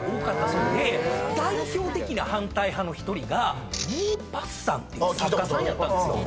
代表的な反対派の１人がモーパッサンっていう作家さんやったんですよ。